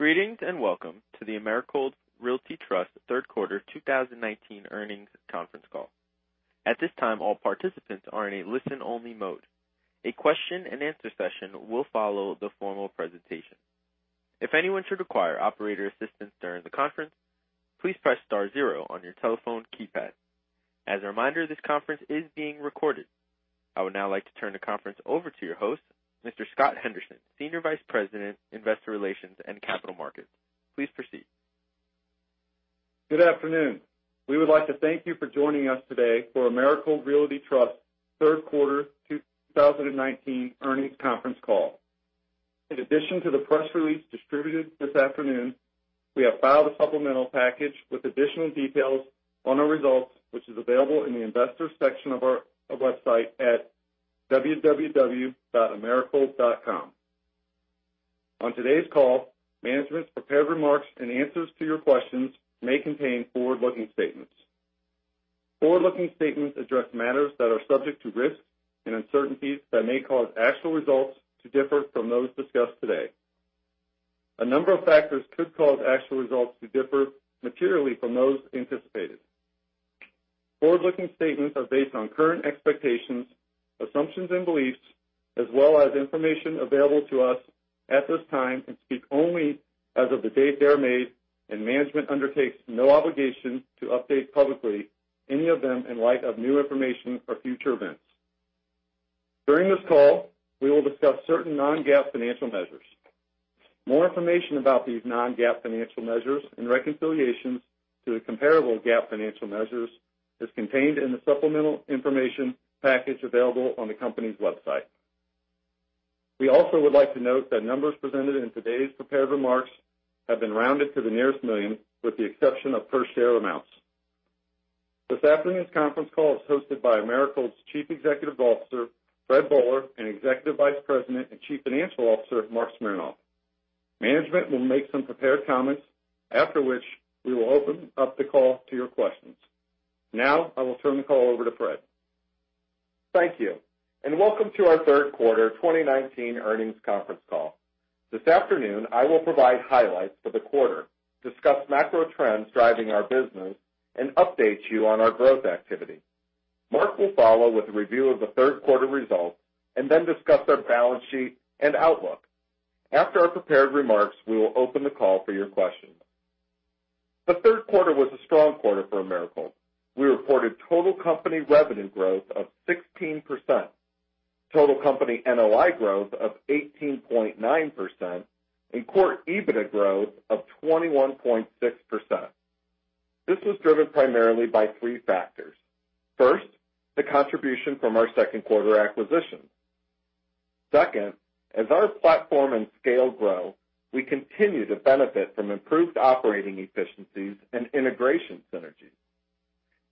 Greetings and welcome to the Americold Realty Trust third quarter 2019 earnings conference call. At this time, all participants are in a listen-only mode. A question and answer session will follow the formal presentation. If anyone should require operator assistance during the conference, please press star zero on your telephone keypad. As a reminder, this conference is being recorded. I would now like to turn the conference over to your host, Mr. Scott Henderson, Senior Vice President, Investor Relations and Capital Markets. Please proceed. Good afternoon. We would like to thank you for joining us today for Americold Realty Trust third quarter 2019 earnings conference call. In addition to the press release distributed this afternoon, we have filed a supplemental package with additional details on our results, which is available in the investors section of our website at www.americold.com. On today's call, management's prepared remarks and answers to your questions may contain forward-looking statements. Forward-looking statements address matters that are subject to risks and uncertainties that may cause actual results to differ from those discussed today. A number of factors could cause actual results to differ materially from those anticipated. Forward-looking statements are based on current expectations, assumptions, and beliefs, as well as information available to us at this time and speak only as of the date they are made. Management undertakes no obligation to update publicly any of them in light of new information or future events. During this call, we will discuss certain non-GAAP financial measures. More information about these non-GAAP financial measures and reconciliations to the comparable GAAP financial measures is contained in the supplemental information package available on the company's website. We also would like to note that numbers presented in today's prepared remarks have been rounded to the nearest million, with the exception of per share amounts. This afternoon's conference call is hosted by Americold's Chief Executive Officer, Fred Boehler, and Executive Vice President and Chief Financial Officer, Marc Smernoff. Management will make some prepared comments, after which we will open up the call to your questions. I will turn the call over to Fred. Thank you, and welcome to our third quarter 2019 earnings conference call. This afternoon, I will provide highlights for the quarter, discuss macro trends driving our business, and update you on our growth activity. Marc will follow with a review of the third quarter results, and then discuss our balance sheet and outlook. After our prepared remarks, we will open the call for your questions. The third quarter was a strong quarter for Americold. We reported total company revenue growth of 16%, total company NOI growth of 18.9%, and core EBITDA growth of 21.6%. This was driven primarily by three factors. First, the contribution from our second quarter acquisition. Second, as our platform and scale grow, we continue to benefit from improved operating efficiencies and integration synergy.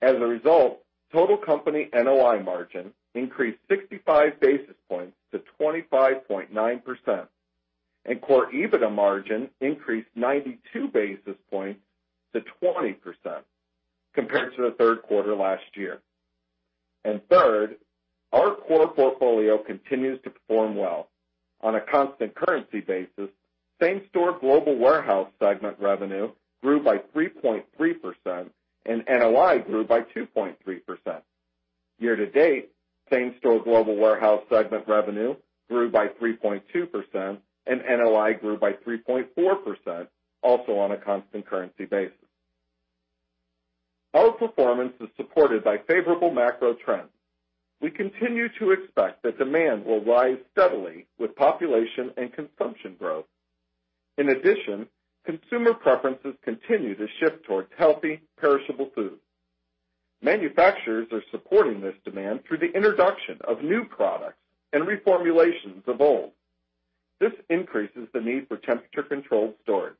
As a result, total company NOI margin increased 65 basis points to 25.9%, and core EBITDA margin increased 92 basis points to 20% compared to the third quarter last year. Third, our core portfolio continues to perform well. On a constant currency basis, same-store global warehouse segment revenue grew by 3.3% and NOI grew by 2.3%. Year to date, same-store global warehouse segment revenue grew by 3.2% and NOI grew by 3.4%, also on a constant currency basis. Our performance is supported by favorable macro trends. We continue to expect that demand will rise steadily with population and consumption growth. In addition, consumer preferences continue to shift towards healthy, perishable food. Manufacturers are supporting this demand through the introduction of new products and reformulations of old. This increases the need for temperature-controlled storage.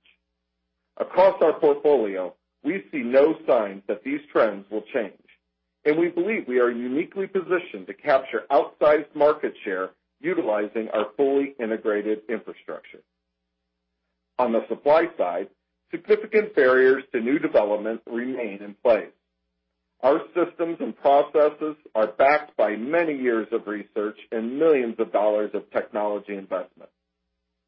Across our portfolio, we see no signs that these trends will change, and we believe we are uniquely positioned to capture outsized market share utilizing our fully integrated infrastructure. On the supply side, significant barriers to new development remain in place. Our systems and processes are backed by many years of research and millions of dollars of technology investment.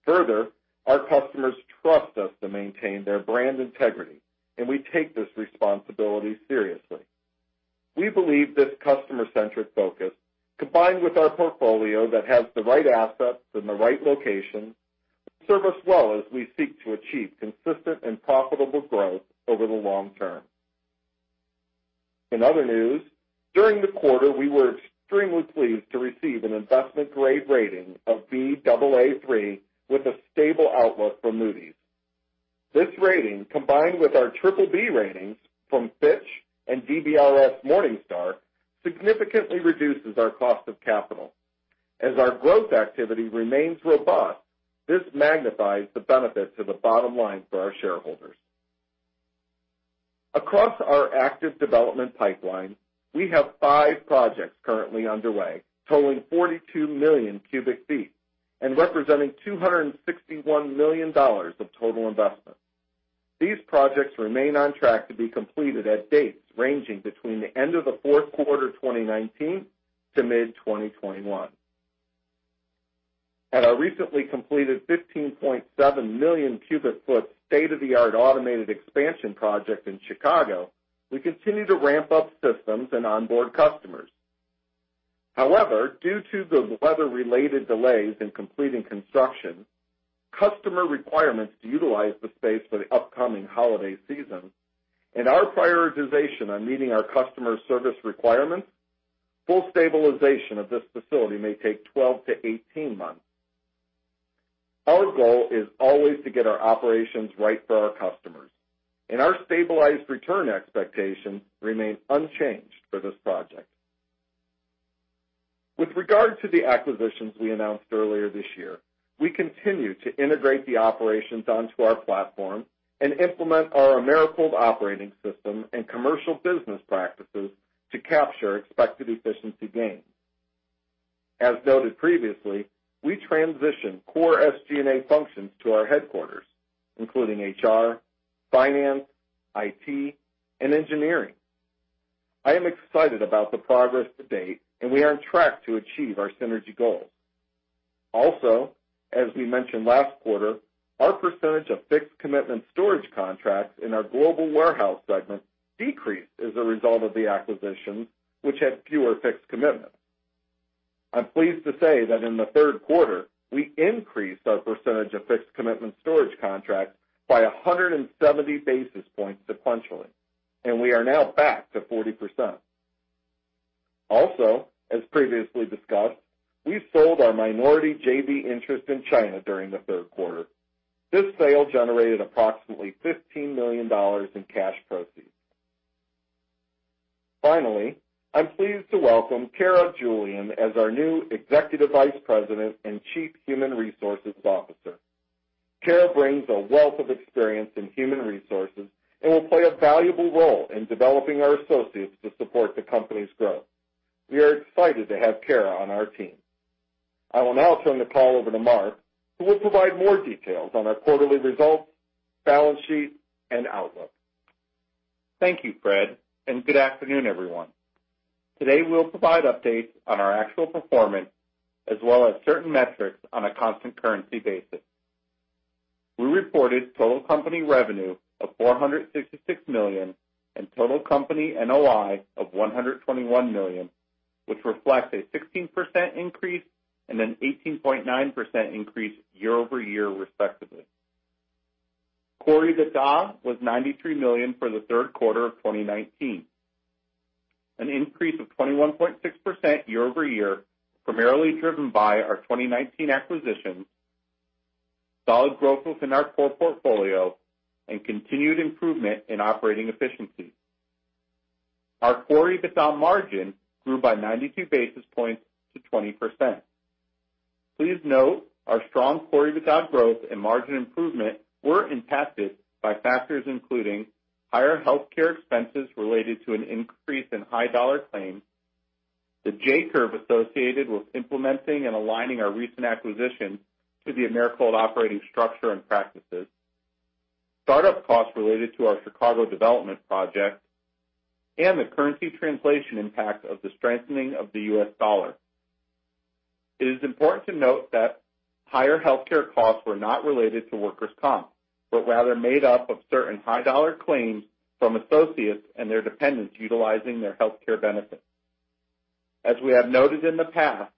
Further, our customers trust us to maintain their brand integrity, and we take this responsibility seriously. We believe this customer-centric focus, combined with our portfolio that has the right assets in the right location, will serve us well as we seek to achieve consistent and profitable growth over the long term. In other news, during the quarter, we were extremely pleased to receive an investment-grade rating of Baa3 with a stable outlook from Moody's. This rating, combined with our BBB ratings from Fitch and DBRS Morningstar, significantly reduces our cost of capital. As our growth activity remains robust, this magnifies the benefit to the bottom line for our shareholders. Across our active development pipeline, we have five projects currently underway, totaling 42 million cubic feet and representing $261 million of total investment. These projects remain on track to be completed at dates ranging between the end of the fourth quarter 2019 to mid-2021. At our recently completed 15.7 million cubic foot state-of-the-art automated expansion project in Chicago, we continue to ramp up systems and onboard customers. However, due to the weather-related delays in completing construction, customer requirements to utilize the space for the upcoming holiday season, and our prioritization on meeting our customer service requirements, full stabilization of this facility may take 12 to 18 months. Our goal is always to get our operations right for our customers, and our stabilized return expectations remain unchanged for this project. With regard to the acquisitions we announced earlier this year, we continue to integrate the operations onto our platform and implement our Americold Operating System and commercial business practices to capture expected efficiency gains. As noted previously, we transitioned core SG&A functions to our headquarters, including HR, finance, IT, and engineering. I am excited about the progress to date, and we are on track to achieve our synergy goals. As we mentioned last quarter, our percentage of fixed commitment storage contracts in our global warehouse segment decreased as a result of the acquisition, which had fewer fixed commitments. I'm pleased to say that in the third quarter, we increased our percentage of fixed commitment storage contracts by 170 basis points sequentially, and we are now back to 40%. Also, as previously discussed, we sold our minority JV interest in China during the third quarter. This sale generated approximately $15 million in cash proceeds. Finally, I'm pleased to welcome Khara Julien as our new Executive Vice President and Chief Human Resources Officer. Khara brings a wealth of experience in human resources and will play a valuable role in developing our associates to support the company's growth. We are excited to have Khara on our team. I will now turn the call over to Marc, who will provide more details on our quarterly results, balance sheet, and outlook. Thank you, Fred, and good afternoon, everyone. Today, we'll provide updates on our actual performance as well as certain metrics on a constant currency basis. We reported total company revenue of $466 million and total company NOI of $121 million, which reflects a 16% increase and an 18.9% increase year-over-year, respectively. core EBITDA was $93 million for the third quarter of 2019, an increase of 21.6% year-over-year, primarily driven by our 2019 acquisitions, solid growth within our core portfolio, and continued improvement in operating efficiency. Our core EBITDA margin grew by 92 basis points to 20%. Please note our strong core EBITDA growth and margin improvement were impacted by factors including higher healthcare expenses related to an increase in high dollar claims, the J-curve associated with implementing and aligning our recent acquisitions to the Americold Operating System and practices, startup costs related to our Chicago development project, and the currency translation impact of the strengthening of the U.S. dollar. It is important to note that higher healthcare costs were not related to workers' comp, but rather made up of certain high dollar claims from associates and their dependents utilizing their healthcare benefits. As we have noted in the past,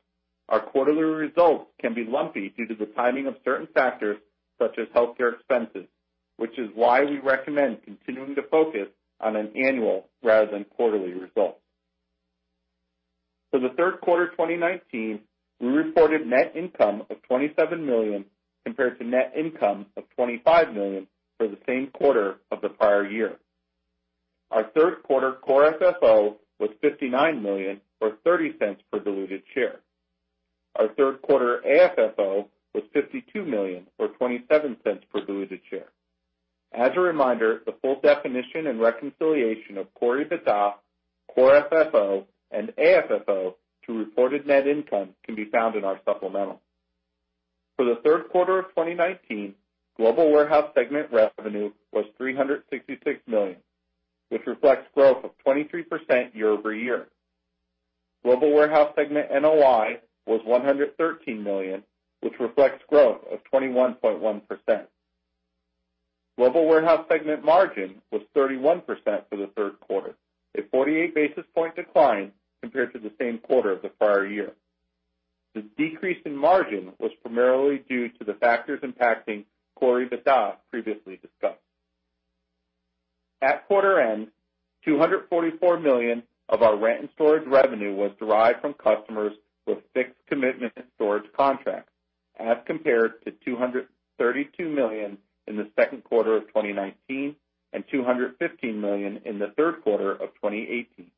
our quarterly results can be lumpy due to the timing of certain factors such as healthcare expenses, which is why we recommend continuing to focus on an annual rather than quarterly result. For the third quarter 2019, we reported net income of $27 million compared to net income of $25 million for the same quarter of the prior year. Our third quarter core FFO was $59 million or $0.30 per diluted share. Our third quarter AFFO was $52 million or $0.27 per diluted share. As a reminder, the full definition and reconciliation of core EBITDA, core FFO, and AFFO to reported net income can be found in our supplemental. For the third quarter of 2019, global warehouse segment revenue was $366 million, which reflects growth of 23% year-over-year. Global warehouse segment NOI was $113 million, which reflects growth of 21.1%. Global warehouse segment margin was 31% for the third quarter, a 48 basis point decline compared to the same quarter of the prior year. This decrease in margin was primarily due to the factors impacting core EBITDA previously discussed. At quarter end, $244 million of our rent and storage revenue was derived from customers with fixed commitment storage contracts as compared to $232 million in the second quarter of 2019 and $215 million in the third quarter of 2018.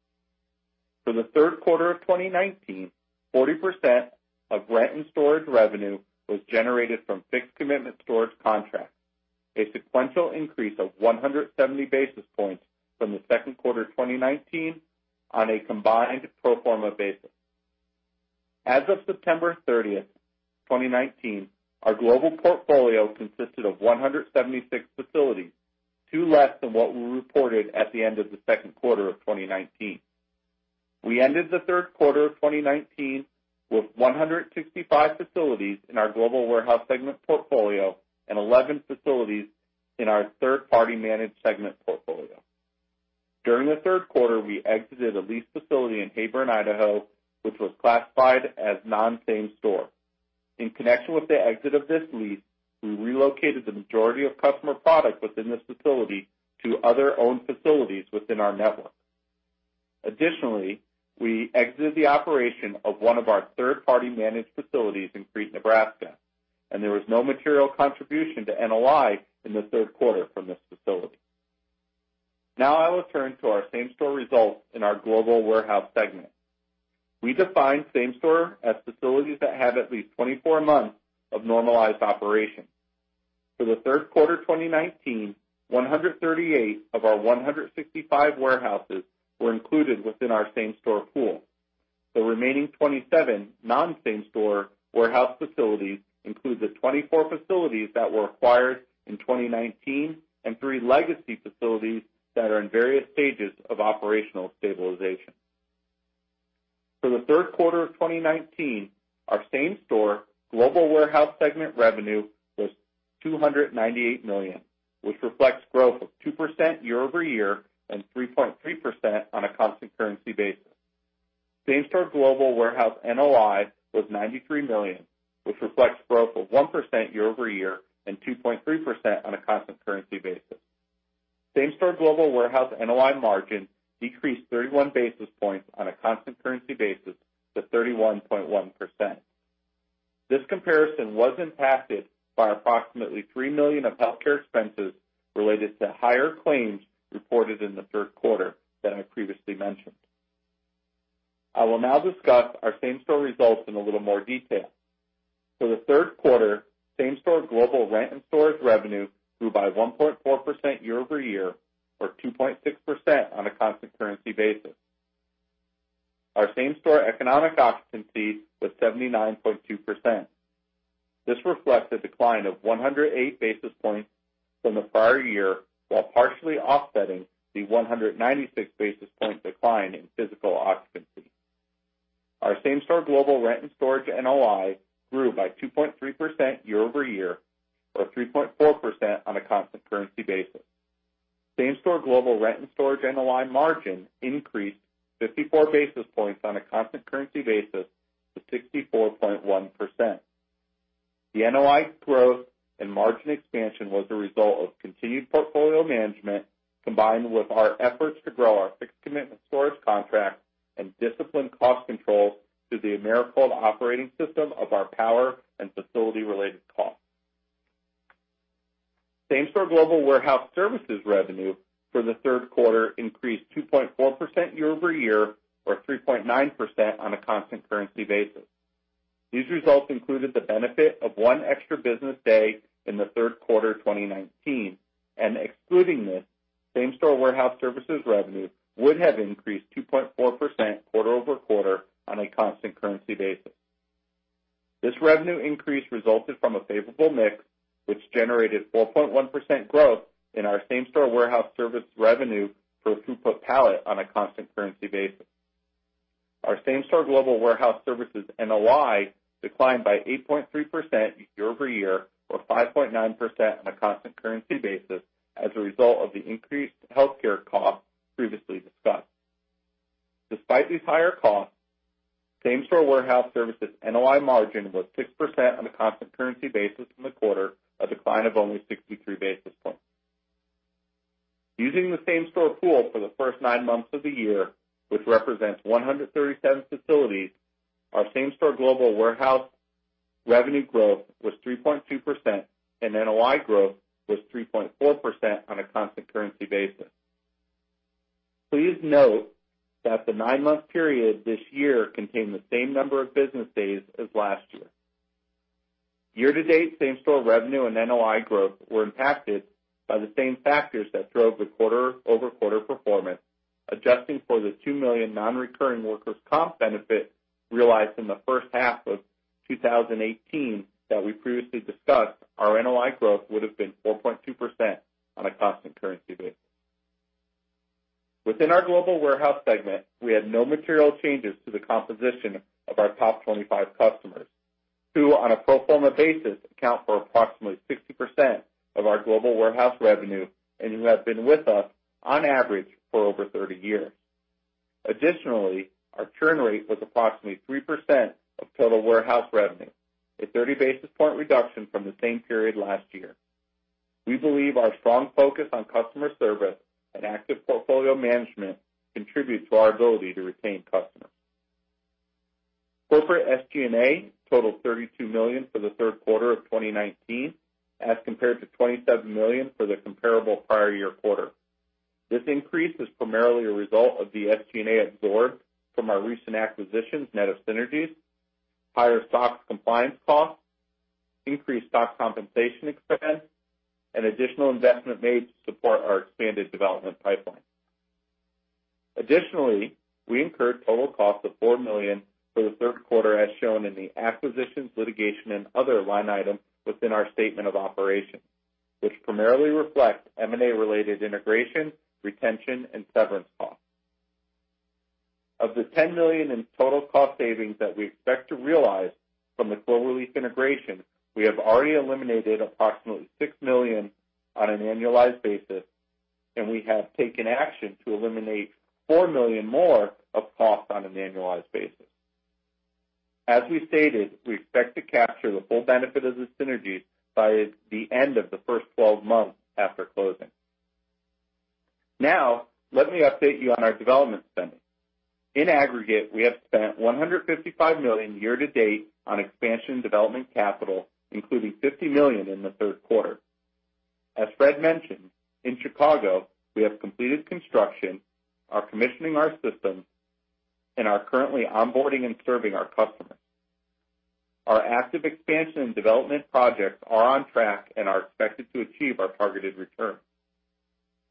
For the third quarter of 2019, 40% of rent and storage revenue was generated from fixed commitment storage contracts, a sequential increase of 170 basis points from the second quarter 2019 on a combined pro forma basis. As of September 30th, 2019, our global portfolio consisted of 176 facilities, two less than what we reported at the end of the second quarter of 2019. We ended the third quarter of 2019 with 165 facilities in our global warehouse segment portfolio and 11 facilities in our third-party managed segment portfolio. During the third quarter, we exited a lease facility in Heyburn, Idaho, which was classified as non-same store. In connection with the exit of this lease, we relocated the majority of customer product within this facility to other owned facilities within our network. Additionally, we exited the operation of one of our third-party managed facilities in Crete, Nebraska, and there was no material contribution to NOI in the third quarter from this facility. Now I will turn to our same-store results in our global warehouse segment. We define same store as facilities that have at least 24 months of normalized operation. For the third quarter 2019, 138 of our 165 warehouses were included within our same-store pool. The remaining 27 non-same-store warehouse facilities include the 24 facilities that were acquired in 2019 and three legacy facilities that are in various stages of operational stabilization. For the third quarter of 2019, our same-store global warehouse segment revenue was $298 million, which reflects growth of 2% year-over-year and 3.3% on a constant currency basis. Same-store global warehouse NOI was $93 million, which reflects growth of 1% year-over-year and 2.3% on a constant currency basis. Same-store global warehouse NOI margin decreased 31 basis points on a constant currency basis to 31.1%. This comparison was impacted by approximately $3 million of healthcare expenses related to higher claims reported in the third quarter that I previously mentioned. I will now discuss our same-store results in a little more detail. For the third quarter, same-store global rent and storage revenue grew by 1.4% year over year or 2.6% on a constant currency basis. Our same-store economic occupancy was 79.2%. This reflects a decline of 108 basis points from the prior year, while partially offsetting the 196 basis point decline in physical occupancy. Our same-store global rent and storage NOI grew by 2.3% year over year or 3.4% on a constant currency basis. Same-store global rent and storage NOI margin increased 54 basis points on a constant currency basis to 64.1%. The NOI growth and margin expansion was a result of continued portfolio management combined with our efforts to grow our fixed commitment storage contract and disciplined cost controls through the Americold Operating System of our power and facility related costs. Same-store global warehouse services revenue for the third quarter increased 2.4% year-over-year or 3.9% on a constant currency basis. These results included the benefit of one extra business day in the third quarter 2019 and excluding this, same-store warehouse services revenue would have increased 2.4% quarter-over-quarter on a constant currency basis. This revenue increase resulted from a favorable mix, which generated 4.1% growth in our same-store warehouse service revenue per throughput pallet on a constant currency basis. Our same-store global warehouse services NOI declined by 8.3% year-over-year or 5.9% on a constant currency basis as a result of the increased healthcare costs previously discussed. Despite these higher costs, same-store warehouse services NOI margin was 6% on a constant currency basis in the quarter, a decline of only 63 basis points. Using the same-store pool for the first nine months of the year, which represents 137 facilities, our same-store global warehouse revenue growth was 3.2% and NOI growth was 3.4% on a constant currency basis. Please note that the nine-month period this year contained the same number of business days as last year. Year-to-date, same-store revenue and NOI growth were impacted by the same factors that drove the quarter-over-quarter performance. Adjusting for the $2 million non-recurring workers' comp benefit realized in the first half of 2018 that we previously discussed, our NOI growth would've been 4.2% on a constant currency basis. Within our global warehouse segment, we had no material changes to the composition of our top 25 customers, who on a pro forma basis, account for approximately 60% of our global warehouse revenue and who have been with us on average for over 30 years. Additionally, our churn rate was approximately 3% of total warehouse revenue, a 30 basis point reduction from the same period last year. We believe our strong focus on customer service and active portfolio management contributes to our ability to retain customers. Corporate SG&A totaled $32 million for the third quarter of 2019 as compared to $27 million for the comparable prior year quarter. This increase is primarily a result of the SG&A absorbed from our recent acquisitions net of synergies, higher SOX compliance costs, increased stock compensation expense, and additional investment made to support our expanded development pipeline. Additionally, we incurred total costs of $4 million for the third quarter as shown in the acquisitions, litigation, and other line items within our statement of operations, which primarily reflect M&A-related integration, retention, and severance costs. Of the $10 million in total cost savings that we expect to realize from the Cloverleaf integration, we have already eliminated approximately $6 million on an annualized basis, and we have taken action to eliminate $4 million more of costs on an annualized basis. As we stated, we expect to capture the full benefit of the synergies by the end of the first 12 months after closing. Now, let me update you on our development spending. In aggregate, we have spent $155 million year-to-date on expansion development capital, including $50 million in the third quarter. As Fred mentioned, in Chicago, we have completed construction, are commissioning our systems, and are currently onboarding and serving our customers. Our active expansion and development projects are on track and are expected to achieve our targeted return.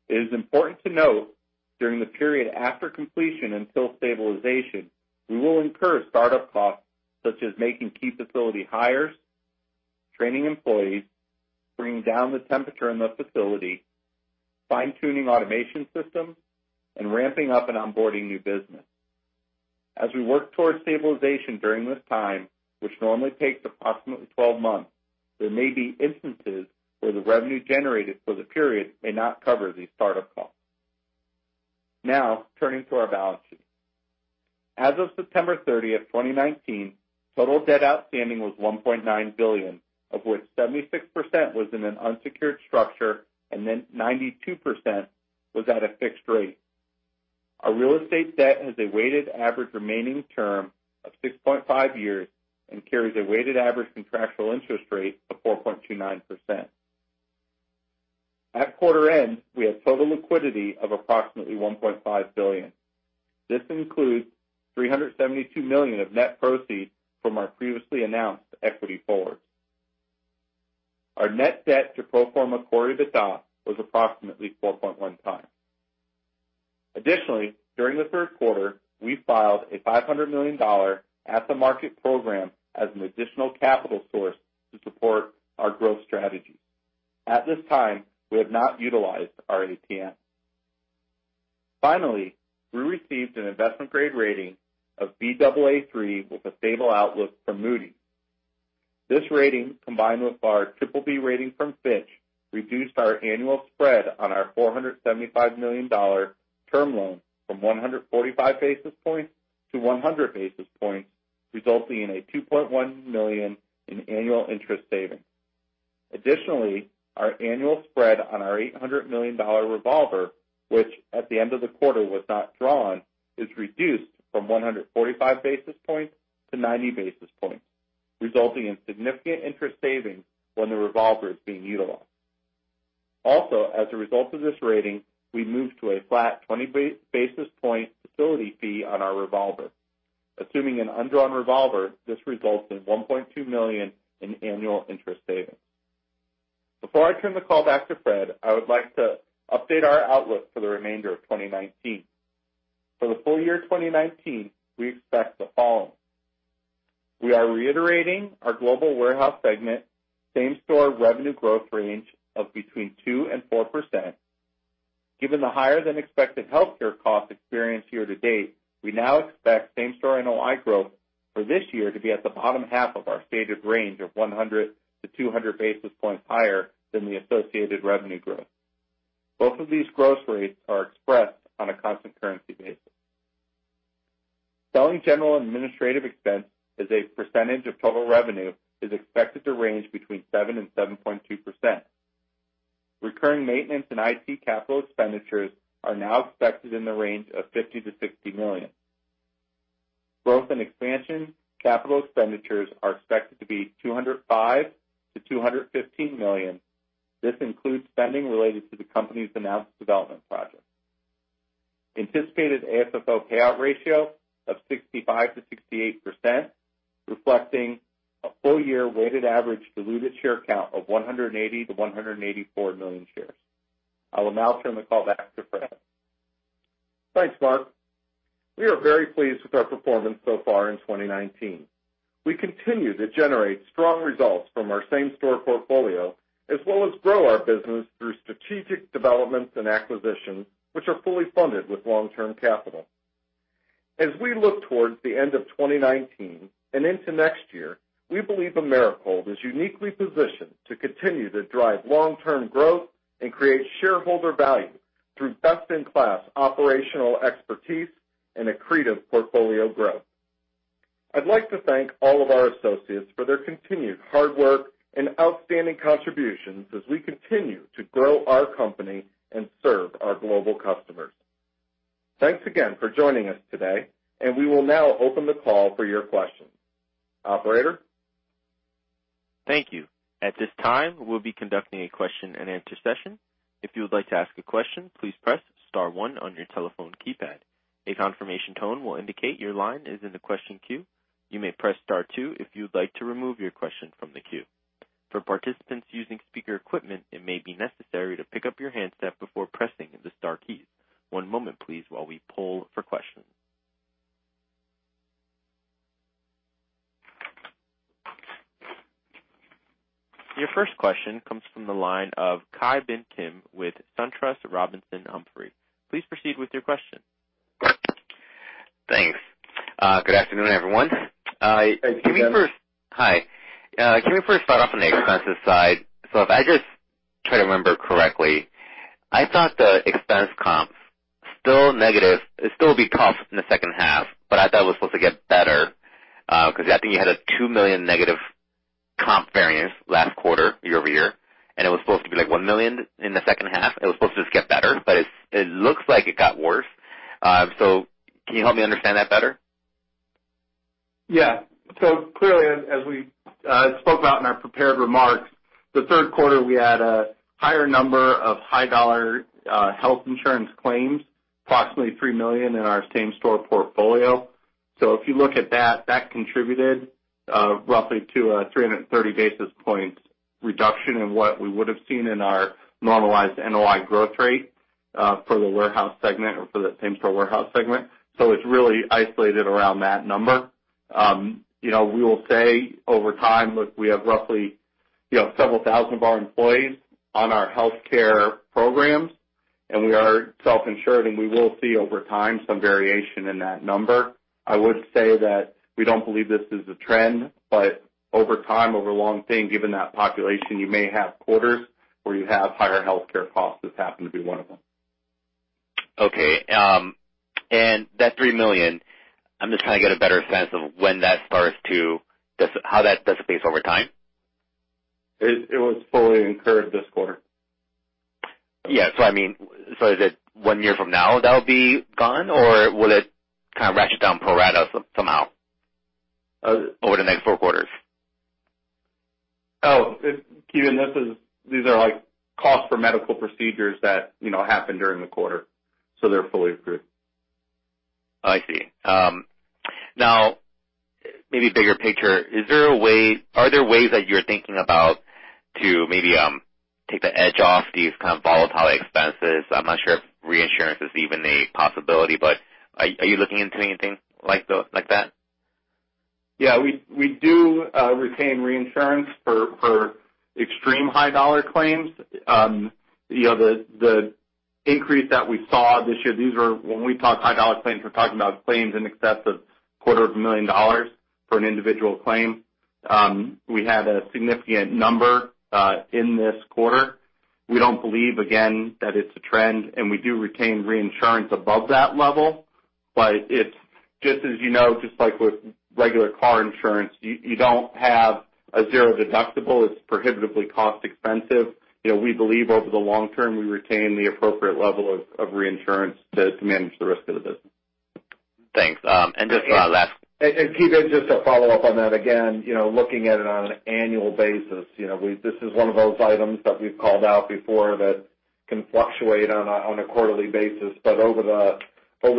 It is important to note, during the period after completion until stabilization, we will incur startup costs, such as making key facility hires, training employees, bringing down the temperature in the facility, fine-tuning automation systems, and ramping up and onboarding new business. As we work towards stabilization during this time, which normally takes approximately 12 months, there may be instances where the revenue generated for the period may not cover these startup costs. Turning to our balance sheet. As of September 30th, 2019, total debt outstanding was $1.9 billion, of which 76% was in an unsecured structure, 92% was at a fixed rate. Our real estate debt has a weighted average remaining term of 6.5 years and carries a weighted average contractual interest rate of 4.29%. At quarter end, we had total liquidity of approximately $1.5 billion. This includes $372 million of net proceeds from our previously announced equity forward. Our net debt to pro forma core EBITDA was approximately 4.1 times. Additionally, during the third quarter, we filed a $500 million at-the-market program as an additional capital source to support our growth strategy. At this time, we have not utilized our ATM. Finally, we received an investment-grade rating of Baa3 with a stable outlook from Moody's. This rating, combined with our BBB rating from Fitch, reduced our annual spread on our $475 million term loan from 145 basis points to 100 basis points, resulting in a $2.1 million in annual interest savings. Additionally, our annual spread on our $800 million revolver, which at the end of the quarter was not drawn, is reduced from 145 basis points to 90 basis points, resulting in significant interest savings when the revolver is being utilized. As a result of this rating, we moved to a flat 20 basis point facility fee on our revolver. Assuming an undrawn revolver, this results in $1.2 million in annual interest savings. Before I turn the call back to Fred, I would like to update our outlook for the remainder of 2019. For the full year 2019, we expect the following. We are reiterating our global warehouse segment same-store revenue growth range of between 2%-4%. Given the higher-than-expected healthcare costs experienced year-to-date, we now expect same-store NOI growth for this year to be at the bottom half of our stated range of 100-200 basis points higher than the associated revenue growth. Both of these growth rates are expressed on a constant currency basis. Selling general administrative expense as a percentage of total revenue is expected to range between 7%-7.2%. Recurring maintenance and IT capital expenditures are now expected in the range of $50 million-$60 million. Growth and expansion capital expenditures are expected to be $205 million-$215 million. This includes spending related to the company's announced development project. Anticipated AFFO payout ratio of 65%-68%, reflecting a full-year weighted average diluted share count of 180 million-184 million shares. I will now turn the call back to Fred. Thanks, Marc. We are very pleased with our performance so far in 2019. We continue to generate strong results from our same-store portfolio, as well as grow our business through strategic developments and acquisitions, which are fully funded with long-term capital. As we look towards the end of 2019 and into next year, we believe Americold is uniquely positioned to continue to drive long-term growth and create shareholder value through best-in-class operational expertise and accretive portfolio growth. I'd like to thank all of our associates for their continued hard work and outstanding contributions as we continue to grow our company and serve our global customers. Thanks again for joining us today, and we will now open the call for your questions. Operator? Thank you. At this time, we'll be conducting a question-and-answer session. If you would like to ask a question, please press star one on your telephone keypad. A confirmation tone will indicate your line is in the question queue. You may press star two if you would like to remove your question from the queue. For participants using speaker equipment, it may be necessary to pick up your handset before pressing the star key. One moment please, while we poll for questions. Your first question comes from the line of Ki Bin Kim with SunTrust Robinson Humphrey. Please proceed with your question. Thanks. Good afternoon, everyone. Hi, Ki Bin. Hi. Can we first start off on the expenses side? If I just try to remember correctly, I thought the expense comp, it'll still be comp in the second half, but I thought it was supposed to get better, because I think you had a $2 million negative comp variance last quarter, year-over-year, and it was supposed to be like $1 million in the second half. It was supposed to just get better, but it looks like it got worse. Can you help me understand that better? Clearly, as we spoke about in our prepared remarks, the third quarter we had a higher number of high dollar health insurance claims, approximately $3 million in our same-store portfolio. If you look at that contributed roughly to a 330 basis points reduction in what we would have seen in our normalized NOI growth rate for the warehouse segment or for the same-store warehouse segment. We will say, over time, look, we have roughly several thousand of our employees on our healthcare programs, and we are self-insured, and we will see, over time, some variation in that number. I would say that we don't believe this is a trend, but over time, over a long thing, given that population, you may have quarters where you have higher healthcare costs. This happened to be one of them. Okay. That $3 million, I'm just trying to get a better sense of how that dissipates over time. It was fully incurred this quarter. Yeah. Is it one year from now that'll be gone, or will it kind of ratchet down pro rata somehow over the next four quarters? Oh, these are like costs for medical procedures that happen during the quarter, so they're fully accrued. I see. Maybe bigger picture, are there ways that you're thinking about to maybe take the edge off these kind of volatile expenses? I'm not sure if reinsurance is even a possibility, but are you looking into anything like that? Yeah, we do retain reinsurance for extreme high dollar claims. The increase that we saw this year, when we talk high dollar claims, we're talking about claims in excess of quarter of a million dollars for an individual claim. We had a significant number in this quarter. We don't believe, again, that it's a trend, and we do retain reinsurance above that level. Just as you know, just like with regular car insurance, you don't have a zero deductible. It's prohibitively cost expensive. We believe over the long term, we retain the appropriate level of reinsurance to manage the risk of the business. Thanks. Ki Bin, just to follow up on that, again, looking at it on an annual basis, this is one of those items that we've called out before that can fluctuate on a quarterly basis. Over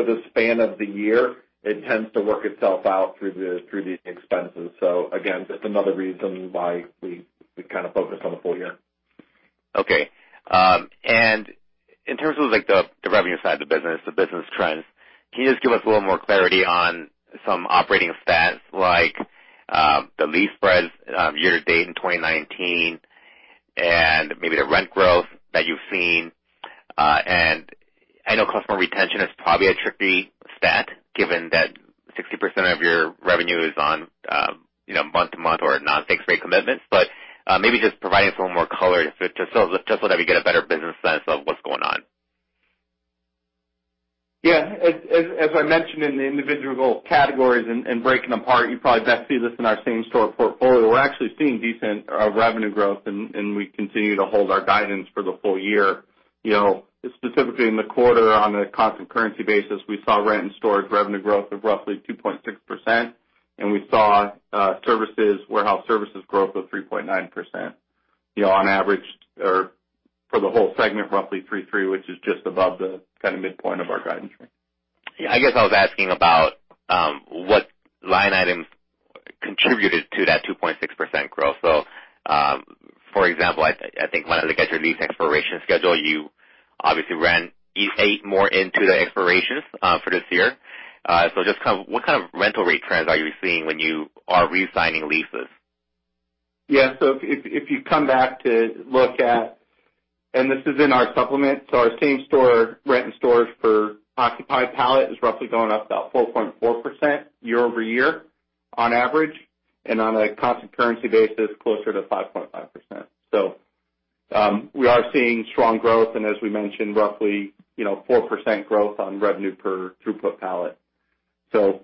the span of the year, it tends to work itself out through these expenses. Again, just another reason why we kind of focus on the full year. Okay. In terms of the revenue side of the business, the business trends, can you just give us a little more clarity on some operating stats, like the lease spreads year to date in 2019 and maybe the rent growth that you've seen? I know customer retention is probably a tricky stat, given that 60% of your revenue is on month to month or non-fixed rate commitments, but maybe just providing us a little more color just so that we get a better business sense of what's going on. Yeah. As I mentioned in the individual categories and breaking them apart, you probably best see this in our same-store portfolio. We're actually seeing decent revenue growth, and we continue to hold our guidance for the full year. Specifically in the quarter, on a constant currency basis, we saw rent and storage revenue growth of roughly 2.6%, and we saw warehouse services growth of 3.9%. For the whole segment, roughly 3.3%, which is just above the kind of midpoint of our guidance range. Yeah, I guess I was asking about what line items contributed to that 2.6% growth. For example, I think as I get your lease expiration schedule, you obviously ran eight more into the expirations for this year. Just what kind of rental rate trends are you seeing when you are re-signing leases? If you come back to look at, and this is in our supplement. Our same-store rent and storage for occupied pallet is roughly going up about 4.4% year-over-year on average, and on a constant currency basis, closer to 5.5%. We are seeing strong growth, and as we mentioned, roughly 4% growth on revenue per throughput pallet.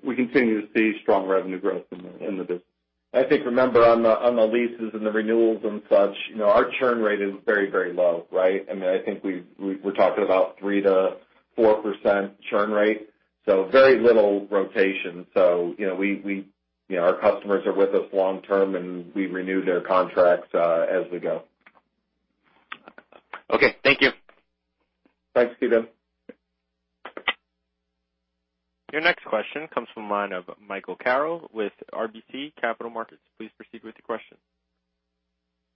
We continue to see strong revenue growth in the business. I think, remember on the leases and the renewals and such, our churn rate is very, very low, right. I think we're talking about 3%-4% churn rate. Very little rotation. Our customers are with us long-term, and we renew their contracts as we go. Okay. Thank you. Thanks, Ki Bin. Next question comes from the line of Michael Carroll with RBC Capital Markets. Please proceed with your question.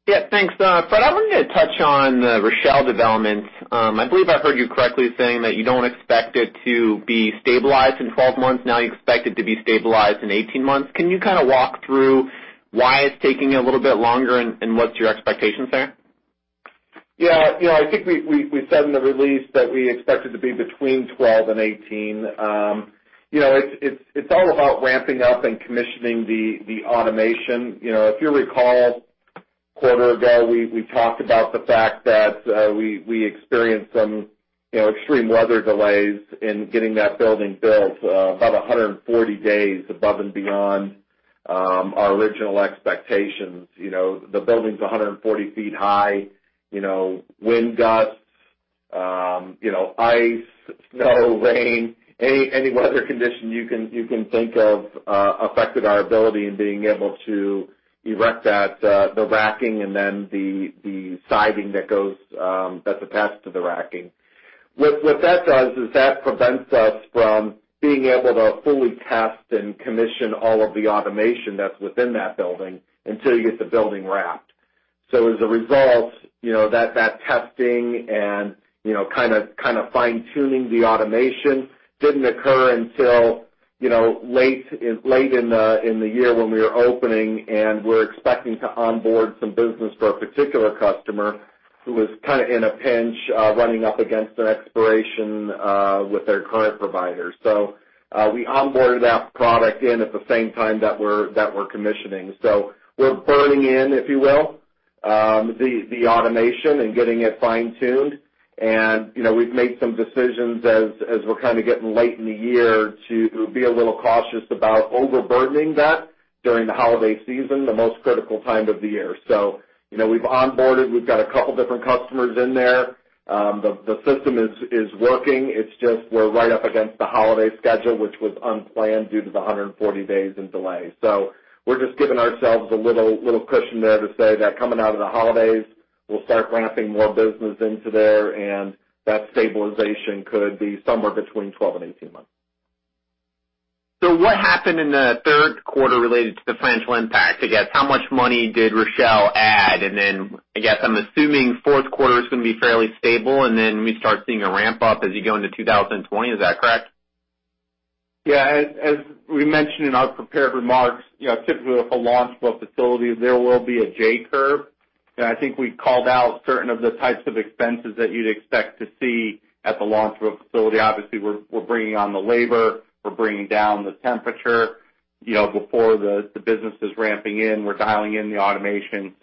Yeah, thanks. Fred, I want you to touch on the Rochelle development. I believe I heard you correctly saying that you don't expect it to be stabilized in 12 months, now you expect it to be stabilized in 18 months. Can you walk through why it's taking a little bit longer and what's your expectations there? Yeah. I think we said in the release that we expect it to be between 12 and 18. It's all about ramping up and commissioning the automation. If you recall a quarter ago, we talked about the fact that we experienced some extreme weather delays in getting that building built, about 140 days above and beyond our original expectations. The building's 140 feet high. Wind gusts, ice, snow, rain, any weather condition you can think of affected our ability in being able to erect the racking and then the siding that's attached to the racking. What that does is that prevents us from being able to fully test and commission all of the automation that's within that building until you get the building wrapped. As a result, that testing and fine-tuning the automation didn't occur until late in the year when we were opening and we were expecting to onboard some business for a particular customer who was in a pinch, running up against an expiration with their current provider. We onboarded that product in at the same time that we're commissioning. We're burning in, if you will, the automation and getting it fine-tuned. We've made some decisions as we're getting late in the year to be a little cautious about overburdening that during the holiday season, the most critical time of the year. We've onboarded, we've got a couple of different customers in there. The system is working. It's just we're right up against the holiday schedule, which was unplanned due to the 140 days in delay. We're just giving ourselves a little cushion there to say that coming out of the holidays, we'll start ramping more business into there, and that stabilization could be somewhere between 12 and 18 months. What happened in the third quarter related to the financial impact? I guess how much money did Cloverleaf add? I guess I'm assuming fourth quarter is going to be fairly stable, and then we start seeing a ramp up as you go into 2020. Is that correct? As we mentioned in our prepared remarks, typically with a launch of a facility, there will be a J-curve, and I think we called out certain of the types of expenses that you'd expect to see at the launch of a facility. Obviously, we're bringing on the labor, we're bringing down the temperature before the business is ramping in. We're dialing in the automation.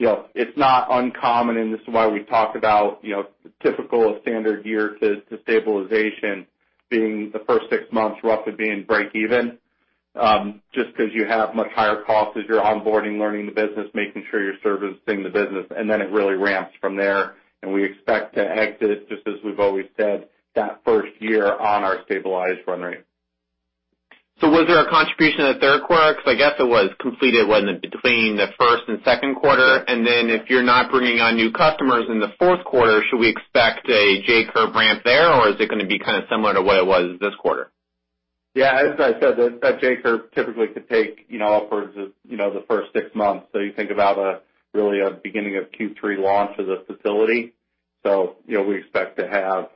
It's not uncommon, and this is why we talk about the typical standard year to stabilization being the first six months roughly being break even, just because you have much higher costs as you're onboarding, learning the business, making sure you're servicing the business, and then it really ramps from there, and we expect to exit, just as we've always said, that first year on our stabilized run rate. Was there a contribution in the third quarter? Because I guess it was completed, wasn't it, between the first and second quarter. If you're not bringing on new customers in the fourth quarter, should we expect a J-curve ramp there, or is it going to be kind of similar to what it was this quarter? Yeah, as I said, that J-curve typically could take upwards of the first six months. You think about really a beginning of Q3 launch as a facility. We expect to have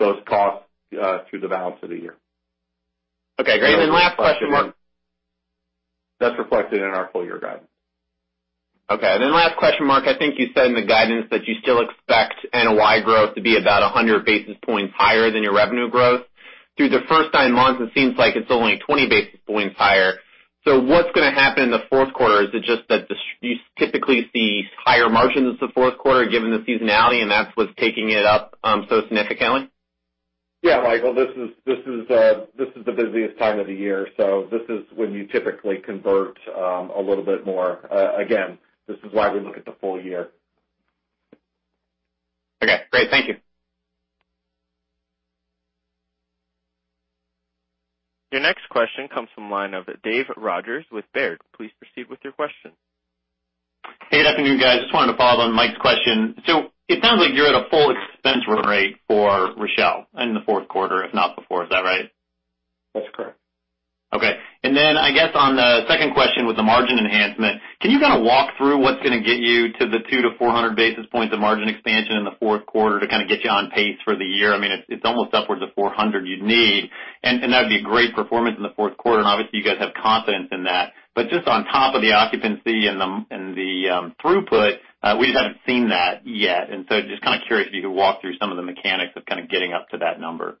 those costs through the balance of the year. Okay, great. last question, Marc. That's reflected in our full year guidance. Last question, Marc. I think you said in the guidance that you still expect NOI growth to be about 100 basis points higher than your revenue growth. Through the first nine months, it seems like it's only 20 basis points higher. What's going to happen in the fourth quarter? Is it just that you typically see higher margins the fourth quarter, given the seasonality, and that's what's taking it up so significantly? Yeah, Michael, this is the busiest time of the year, so this is when you typically convert a little bit more. Again, this is why we look at the full year. Okay, great. Thank you. Your next question comes from the line of Dave Rodgers with Baird. Please proceed with your question. Hey, good afternoon, guys. Just wanted to follow up on Mike's question. It sounds like you're at a full expense run rate for Rochelle in the fourth quarter, if not before. Is that right? That's correct. Okay. I guess on the second question with the margin enhancement, can you kind of walk through what's going to get you to the 200-400 basis points of margin expansion in the fourth quarter to kind of get you on pace for the year? I mean, it's almost upwards of 400 you'd need. That'd be a great performance in the fourth quarter, and obviously you guys have confidence in that. Just on top of the occupancy and the throughput, we just haven't seen that yet. Just kind of curious if you could walk through some of the mechanics of kind of getting up to that number.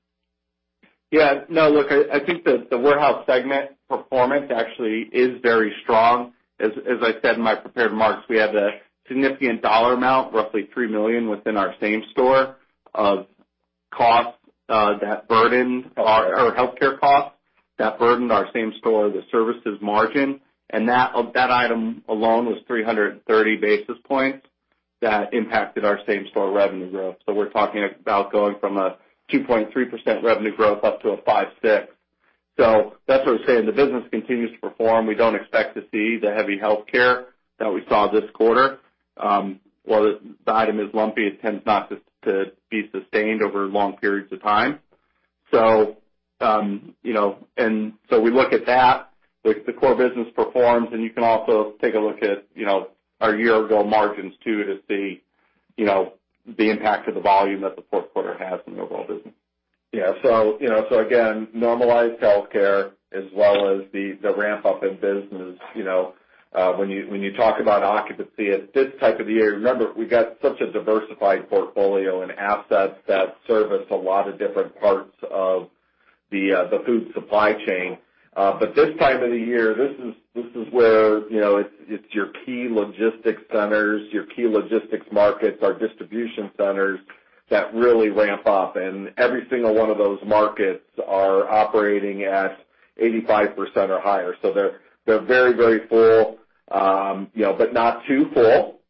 No, look, I think the warehouse segment performance actually is very strong. As I said in my prepared remarks, we had a significant dollar amount, roughly $3 million within our same-store of costs that burdened our healthcare costs that burdened our same-store, the services margin, and that item alone was 330 basis points that impacted our same-store revenue growth. We're talking about going from a 2.3% revenue growth up to a 5.6%. That's what I'm saying. The business continues to perform. We don't expect to see the heavy healthcare that we saw this quarter. While the item is lumpy, it tends not to be sustained over long periods of time. We look at that, the core business performs, and you can also take a look at our year-ago margins too to see the impact of the volume that the fourth quarter has in the overall business. Yeah. Again, normalized healthcare as well as the ramp-up in business. When you talk about occupancy at this type of year, remember, we've got such a diversified portfolio and assets that service a lot of different parts of the food supply chain. This time of the year, this is where it's your key logistics centers, your key logistics markets, our distribution centers that really ramp up, and every single one of those markets are operating at 85% or higher. They're very full, but not too full,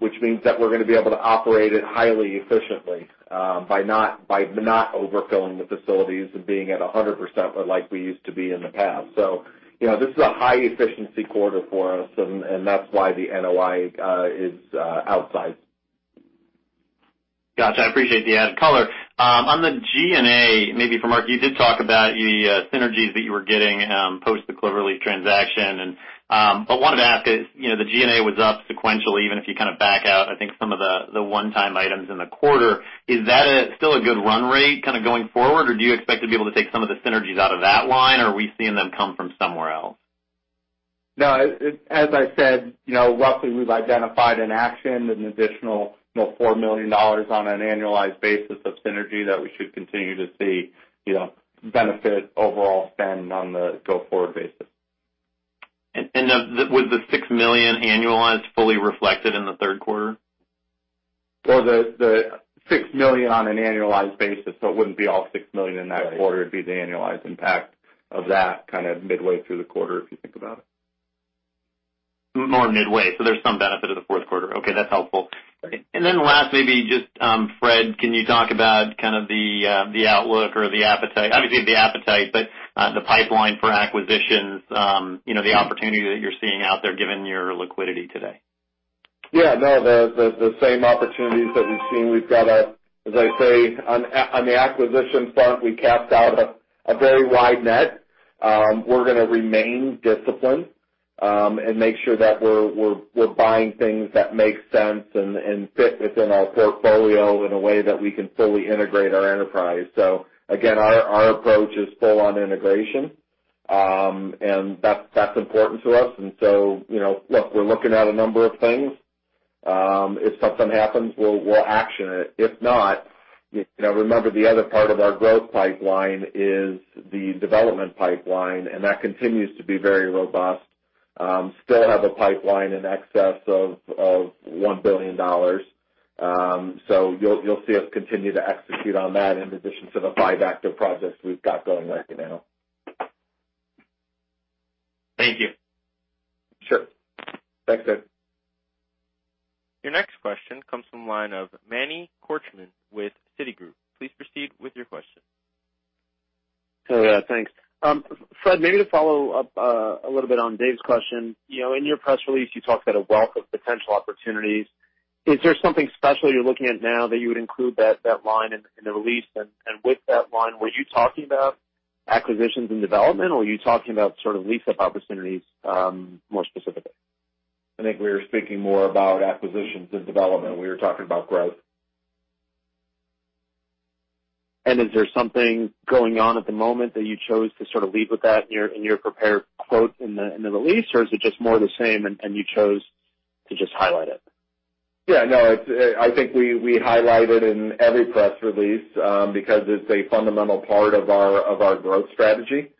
which means that we're going to be able to operate it highly efficiently by not overfilling the facilities and being at 100% like we used to be in the past. This is a high efficiency quarter for us, and that's why the NOI is outsized. Got you. I appreciate the added color. On the G&A, maybe for Marc, you did talk about the synergies that you were getting post the Cloverleaf transaction. I wanted to ask, the G&A was up sequentially, even if you kind of back out, I think, some of the one-time items in the quarter. Is that still a good run rate kind of going forward, or do you expect to be able to take some of the synergies out of that line, or are we seeing them come from somewhere else? No. As I said, roughly, we've identified and actioned an additional $4 million on an annualized basis of synergy that we should continue to see benefit overall spend on the go-forward basis. Was the $6 million annualized fully reflected in the third quarter? Well, the $6 million on an annualized basis. It wouldn't be all $6 million in that quarter. Right. It'd be the annualized impact of that kind of midway through the quarter, if you think about it. More midway, there's some benefit of the fourth quarter. Okay. That's helpful. Right. Last, maybe just, Fred, can you talk about kind of the outlook or the appetite, obviously the appetite, but the pipeline for acquisitions, the opportunity that you're seeing out there given your liquidity today? Yeah. No, the same opportunities that we've seen. We've got, as I say, on the acquisition front, we cast out a very wide net. We're going to remain disciplined, and make sure that we're buying things that make sense and fit within our portfolio in a way that we can fully integrate our enterprise. Again, our approach is full on integration, and that's important to us. Look, we're looking at a number of things. If something happens, we'll action it. If not, remember the other part of our growth pipeline is the development pipeline, and that continues to be very robust. Still have a pipeline in excess of $1 billion. You'll see us continue to execute on that in addition to the five active projects we've got going right now. Thank you. Sure. Thanks, Dave. Your next question comes from the line of Manny Korchman with Citigroup. Please proceed with your question. Hello. Thanks. Fred, maybe to follow up a little bit on Dave's question. In your press release, you talked about a wealth of potential opportunities. Is there something special you're looking at now that you would include that line in the release? With that line, were you talking about acquisitions and development, or were you talking about sort of lease-up opportunities more specifically? I think we were speaking more about acquisitions and development. We were talking about growth. Is there something going on at the moment that you chose to sort of lead with that in your prepared quote in the release, or is it just more the same and you chose to just highlight it? Yeah. No, I think we highlight it in every press release, because it's a fundamental part of our growth strategy.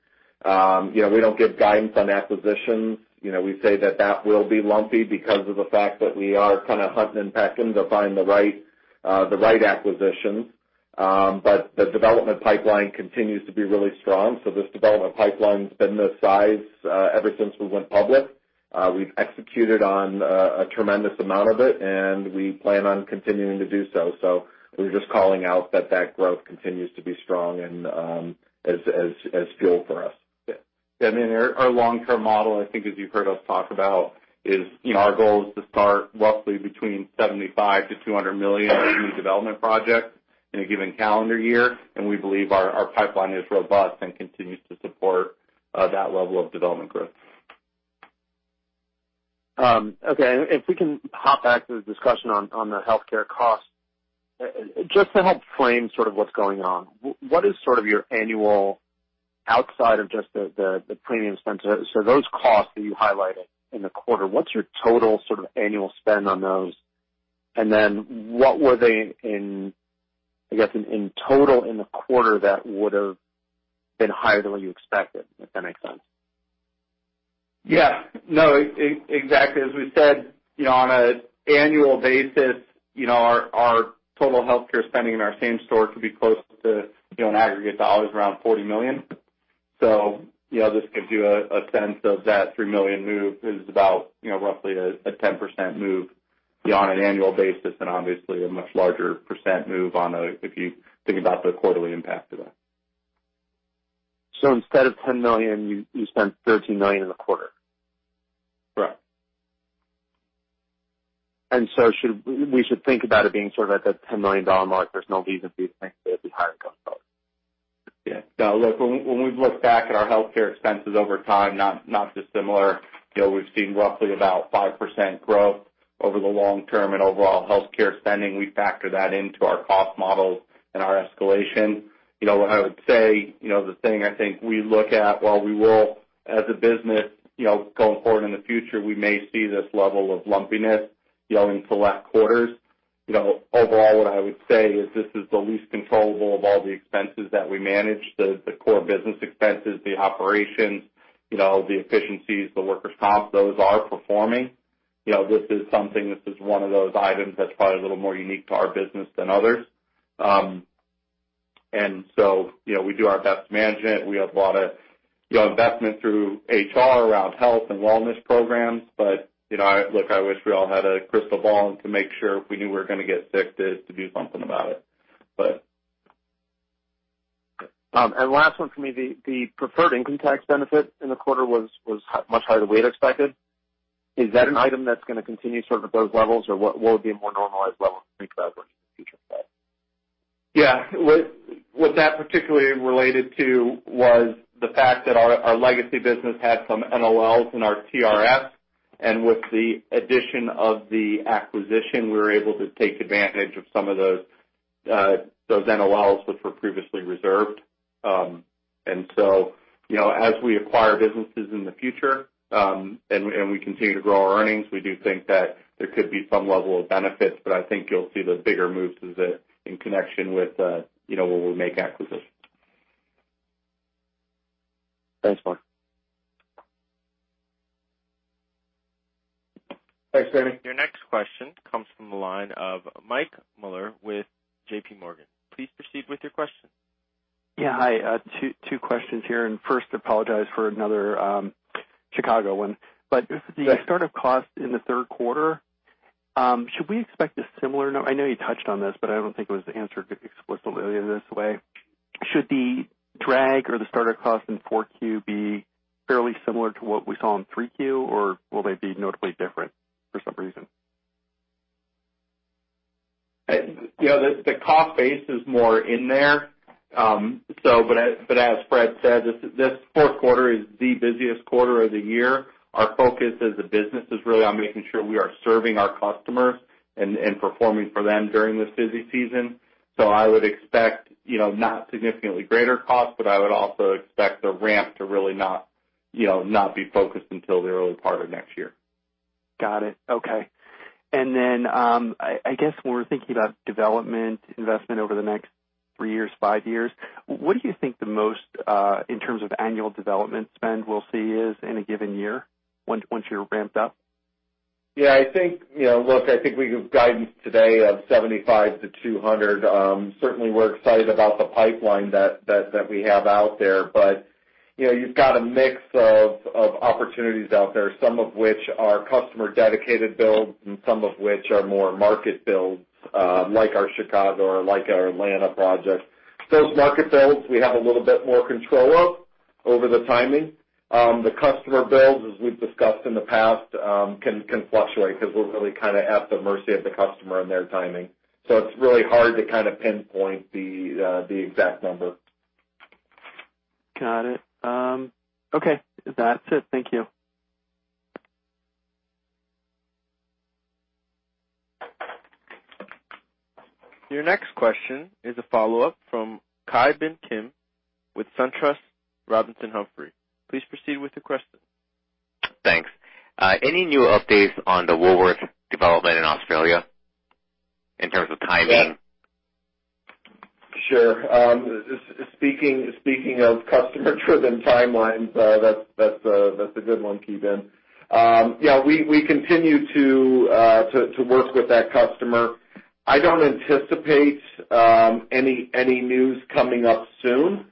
We don't give guidance on acquisitions. We say that that will be lumpy because of the fact that we are kind of hunting and pecking to find the right acquisitions. The development pipeline continues to be really strong. This development pipeline's been this size, ever since we went public. We've executed on a tremendous amount of it, and we plan on continuing to do so. We're just calling out that that growth continues to be strong and as fuel for us. Yeah. I mean, our long-term model, I think as you've heard us talk about is, our goal is to start roughly between $75 million-$200 million in new development projects in a given calendar year, and we believe our pipeline is robust and continues to support that level of development growth. Okay. If we can hop back to the discussion on the healthcare cost. Just to help frame sort of what's going on, what is sort of your annual outside of just the premium spend So those costs that you highlighted in the quarter, what's your total sort of annual spend on those? What were they in, I guess, in total in the quarter that would've been higher than what you expected, if that makes sense? Yeah. No, exactly. As we said, on an annual basis, our total healthcare spending in our same-store could be close to in aggregate dollars around $40 million. This gives you a sense of that $3 million move is about roughly a 10% move on an annual basis, and obviously a much larger percent move if you think about the quarterly impact to that. Instead of $10 million, you spent $13 million in a quarter? Right. We should think about it being sort of at that $10 million mark. There's no base fees, things will be higher going forward. No, look, when we've looked back at our healthcare expenses over time, not dissimilar. We've seen roughly about 5% growth over the long term in overall healthcare spending. We factor that into our cost models and our escalation. What I would say, the thing I think we look at, while we will, as a business, going forward in the future, we may see this level of lumpiness in select quarters. Overall, what I would say is this is the least controllable of all the expenses that we manage, the core business expenses, the operations, the efficiencies, the workers' comp, those are performing. This is one of those items that's probably a little more unique to our business than others. We do our best to manage it. We have a lot of investment through HR around health and wellness programs. Look, I wish we all had a crystal ball to make sure if we knew we were going to get sick to do something about it. Last one for me, the preferred income tax benefit in the quarter was much higher than we had expected. Is that an item that's going to continue sort of at those levels? What would be a more normalized level to think about going into the future? Yeah. What that particularly related to was the fact that our legacy business had some NOLs in our TRS. With the addition of the acquisition, we were able to take advantage of some of those NOLs which were previously reserved. As we acquire businesses in the future, and we continue to grow our earnings, we do think that there could be some level of benefits, but I think you'll see the bigger moves in connection with where we'll make acquisitions. Thanks, Marc. Thanks, Manny. Your next question comes from the line of Mike Mueller with JPMorgan. Please proceed with your question. Yeah. Hi. Two questions here. First, apologize for another Chicago one. That's okay. The start-up costs in the third quarter, should we expect a similar number? I know you touched on this, but I don't think it was answered explicitly this way. Should the drag or the start-up costs in 4Q be fairly similar to what we saw in 3Q, or will they be notably different for some reason? The cost base is more in there. As Fred said, this fourth quarter is the busiest quarter of the year. Our focus as a business is really on making sure we are serving our customers and performing for them during this busy season. I would expect not significantly greater cost, but I would also expect the ramp to really not be focused until the early part of next year. Got it. Okay. I guess when we're thinking about development investment over the next three years, five years, what do you think the most, in terms of annual development spend we'll see is in a given year once you're ramped up? Look, I think we gave guidance today of 75-200. Certainly, we're excited about the pipeline that we have out there. You've got a mix of opportunities out there, some of which are customer-dedicated builds and some of which are more market builds, like our Chicago or like our Atlanta projects. Those market builds, we have a little bit more control of over the timing. The customer builds, as we've discussed in the past, can fluctuate because we're really kind of at the mercy of the customer and their timing. It's really hard to kind of pinpoint the exact number. Got it. Okay. That's it. Thank you. Your next question is a follow-up from Ki Bin Kim with SunTrust Robinson Humphrey. Please proceed with your question. Thanks. Any new updates on the Woolworths development in Australia in terms of timing? Sure. Speaking of customer driven timelines, that's a good one, Ki Bin. We continue to work with that customer. I don't anticipate any news coming up soon.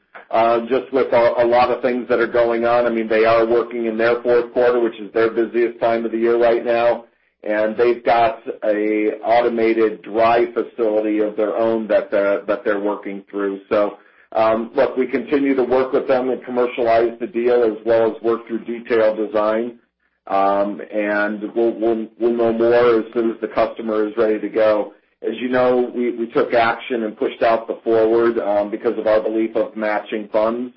Just with a lot of things that are going on. They are working in their fourth quarter, which is their busiest time of the year right now, and they've got an automated dry facility of their own that they're working through. So, look, we continue to work with them and commercialize the deal as well as work through detailed design. We'll know more as soon as the customer is ready to go. As you know, we took action and pushed out the forward because of our belief of matching funds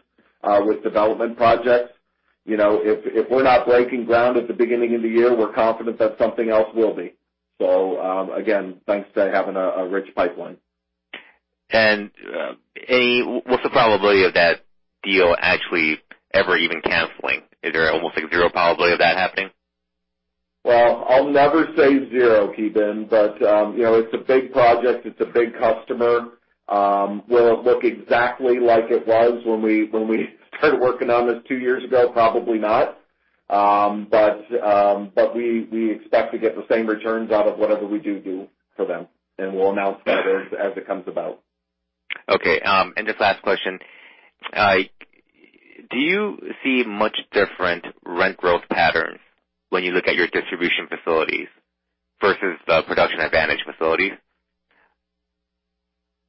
with development projects. If we're not breaking ground at the beginning of the year, we're confident that something else will be. Again, thanks to having a rich pipeline. What's the probability of that deal actually ever even canceling? Is there almost like zero probability of that happening? Well, I'll never say zero, Ki Bin. It's a big project. It's a big customer. Will it look exactly like it was when we started working on this two years ago? Probably not. We expect to get the same returns out of whatever we do for them, and we'll announce that as it comes about. Okay. Just last question. Do you see much different rent growth patterns when you look at your distribution facilities versus the Production Advantage facilities?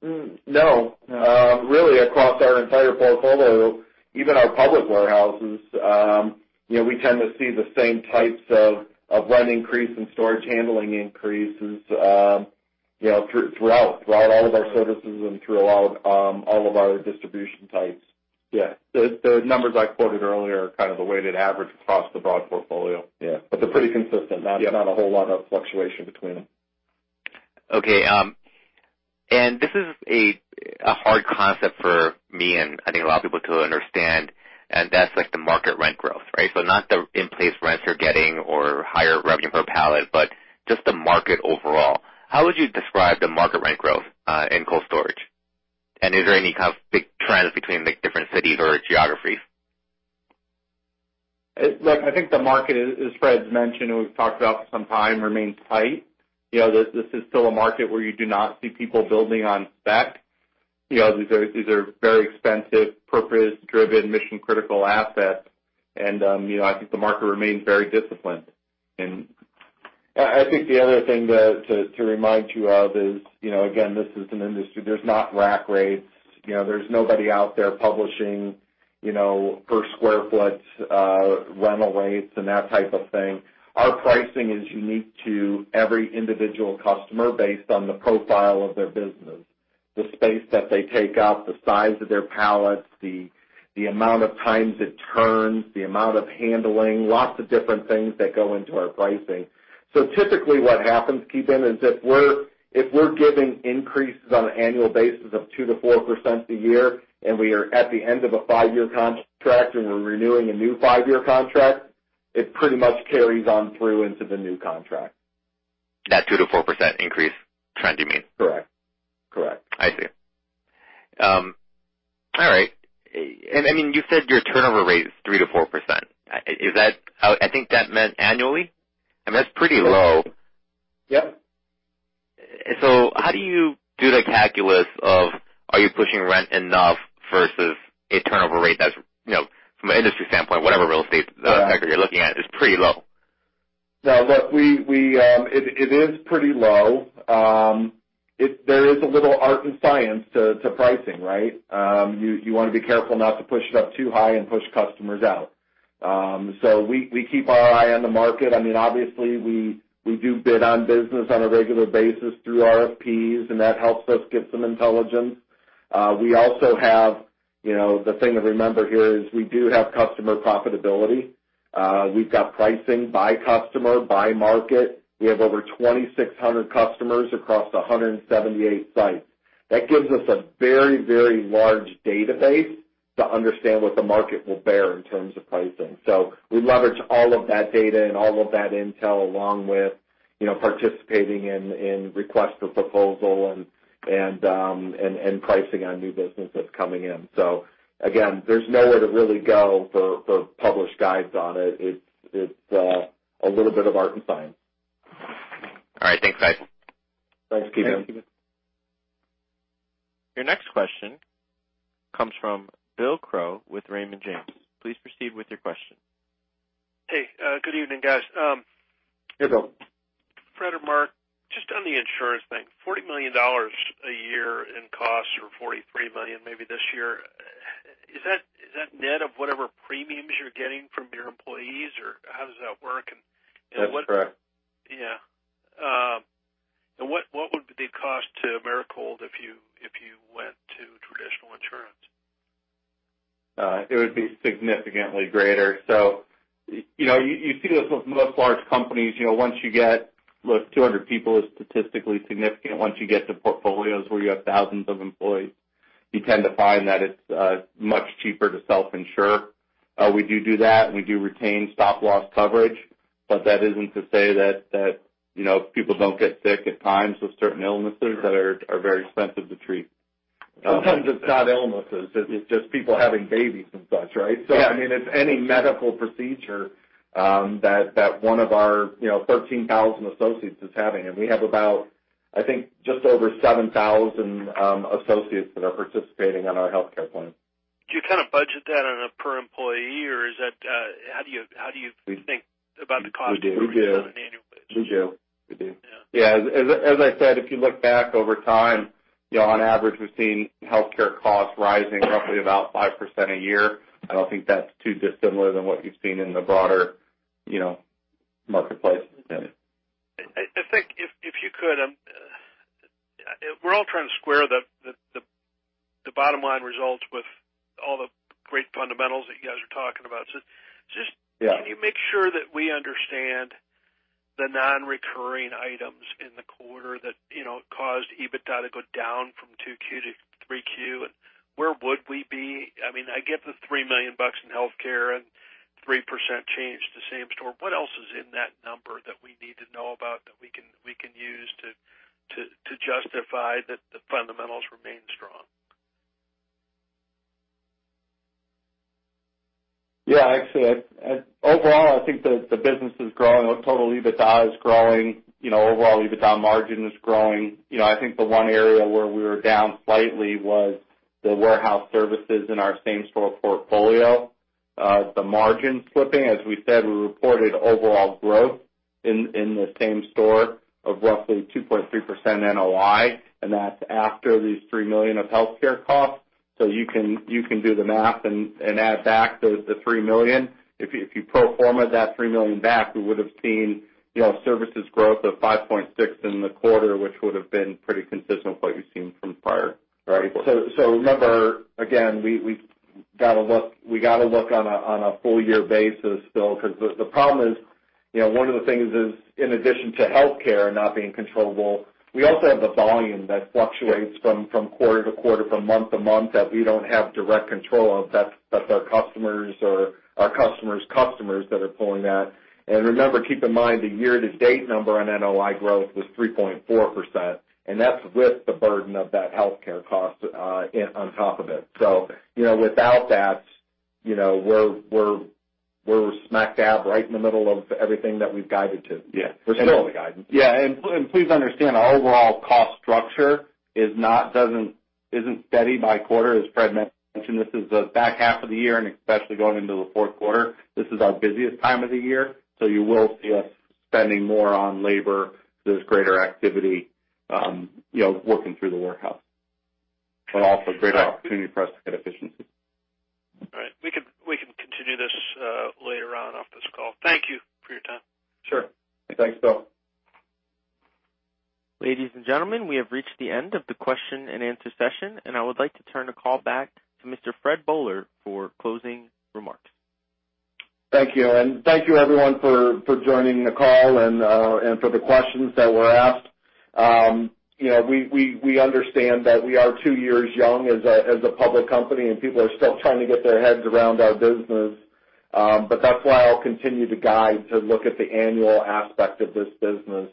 No. Really across our entire portfolio, even our public warehouses, we tend to see the same types of rent increase and storage handling increases throughout all of our services and throughout all of our distribution types. Yes. The numbers I quoted earlier are kind of the weighted average across the broad portfolio. Yes. They're pretty consistent. Yes. Not a whole lot of fluctuation between them. Okay. This is a hard concept for me, and I think a lot of people to understand, and that's like the market rent growth, right? Not the in-place rents you're getting or higher revenue per pallet, but just the market overall. How would you describe the market rent growth in cold storage? Is there any kind of big trends between different cities or geographies? Look, I think the market is, as Fred's mentioned, and we've talked about for some time, remains tight. This is still a market where you do not see people building on spec. These are very expensive, purpose-driven, mission-critical assets. I think the market remains very disciplined. I think the other thing to remind you of is, again, this is an industry, there's not rack rates. There's nobody out there publishing per square foot rental rates and that type of thing. Our pricing is unique to every individual customer based on the profile of their business, the space that they take up, the size of their pallets, the amount of times it turns, the amount of handling, lots of different things that go into our pricing. Typically what happens, Ki Bin, is if we're giving increases on an annual basis of 2%-4% a year, and we are at the end of a five-year contract, and we're renewing a new five-year contract, it pretty much carries on through into the new contract. That 2%-4% increase trend, you mean? Correct. Correct. I see. All right. You said your turnover rate is 3%-4%. I think that meant annually? I mean, that's pretty low. Yep. How do you do the calculus of, are you pushing rent enough versus a turnover rate that's, from an industry standpoint, whatever real estate. Correct sector you're looking at, is pretty low. No. Look, it is pretty low. There is a little art and science to pricing, right? You want to be careful not to push it up too high and push customers out. We keep our eye on the market. Obviously, we do bid on business on a regular basis through RFPs, and that helps us get some intelligence. We also have, the thing to remember here is we do have customer profitability. We've got pricing by customer, by market. We have over 2,600 customers across 178 sites. That gives us a very, very large database to understand what the market will bear in terms of pricing. We leverage all of that data and all of that intel along with participating in Requests for Proposal and pricing on new business that's coming in. Again, there's nowhere to really go for published guides on it. It's a little bit of art and science. All right. Thanks, guys. Thanks, Ki Bin. Your next question comes from Bill Crow with Raymond James. Please proceed with your question. Hey, good evening, guys. Hey, Bill. Fred or Marc, just on the insurance thing, $40 million a year in costs or $43 million maybe this year. Is that net of whatever premiums you're getting from your employees, or how does that work? That's correct. Yeah. What would be the cost to Americold if you went to traditional insurance? It would be significantly greater. You see this with most large companies. Once you get, look, 200 people is statistically significant. Once you get to portfolios where you have thousands of employees, you tend to find that it's much cheaper to self-insure. We do that, and we do retain stop loss coverage. That isn't to say that people don't get sick at times with certain illnesses that are very expensive to treat. Sometimes it's not illnesses, it's just people having babies and such, right? Yeah. It's any medical procedure that one of our 13,000 associates is having. We have about, I think just over 7,000 associates that are participating in our healthcare plan. Do you kind of budget that on a per employee, or how do you think about the cost? We do. on an annual basis? We do. We do. Yeah. Yeah. As I said, if you look back over time, on average, we've seen healthcare costs rising roughly about 5% a year. I don't think that's too dissimilar than what you've seen in the broader marketplace. Yeah. I think if you could, we're all trying to square the bottom line results with all the great fundamentals that you guys are talking about. Yeah Can you make sure that we understand the non-recurring items in the quarter that caused EBITDA to go down from IIQ to IIIQ, and where would we be? I get the $3 million in healthcare and 3% change to same-store. What else is in that number that we need to know about that we can use to justify that the fundamentals remain strong? Yeah, actually, overall, I think the business is growing. Our total EBITDA is growing. Overall EBITDA margin is growing. I think the one area where we were down slightly was the warehouse services in our same-store portfolio. The margin flipping, as we said, we reported overall growth in the same-store of roughly 2.3% NOI. That's after these $3 million of healthcare costs. You can do the math and add back the $3 million. If you pro forma that $3 million back, we would've seen services growth of 5.6% in the quarter, which would've been pretty consistent with what you've seen from prior. Right. Remember, again, we got to look on a full year basis, Bill, because the problem is, one of the things is, in addition to healthcare not being controllable, we also have the volume that fluctuates from quarter-to-quarter, from month-to-month, that we don't have direct control of. That's our customers or our customers' customers that are pulling that. Remember, keep in mind, the year-to-date number on NOI growth was 3.4%, and that's with the burden of that healthcare cost on top of it. Without that, we're smack dab right in the middle of everything that we've guided to. Yeah. We're still in the guidance. Please understand, our overall cost structure isn't steady by quarter. As Fred mentioned, this is the back half of the year, and especially going into the fourth quarter, this is our busiest time of the year, so you will see us spending more on labor. There's greater activity, working through the warehouse. Also a great opportunity for us to get efficiency. All right. We can continue this later on off this call. Thank you for your time. Sure. Thanks, Bill. Ladies and gentlemen, we have reached the end of the question-and-answer session. I would like to turn the call back to Mr. Fred Boehler for closing remarks. Thank you. Thank you everyone for joining the call and for the questions that were asked. We understand that we are two years young as a public company, and people are still trying to get their heads around our business. That's why I'll continue to guide to look at the annual aspect of this business.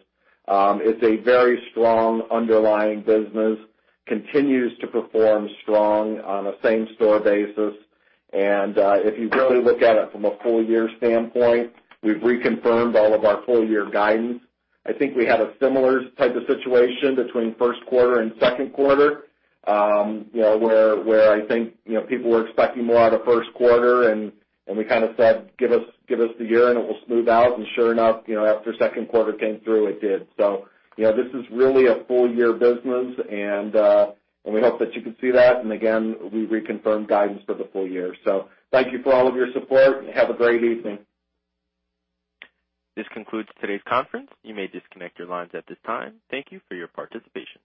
It's a very strong underlying business, continues to perform strong on a same-store basis. If you really look at it from a full year standpoint, we've reconfirmed all of our full year guidance. I think we had a similar type of situation between first quarter and second quarter, where I think people were expecting more out of first quarter and we kind of said, "Give us the year and it will smooth out." Sure enough, after second quarter came through, it did. This is really a full year business, and we hope that you can see that. Again, we reconfirm guidance for the full year. Thank you for all of your support, and have a great evening. This concludes today's conference. You may disconnect your lines at this time. Thank you for your participation.